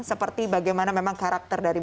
seperti bagaimana memang karakter dari